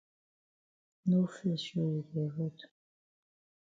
No fes show yi de road.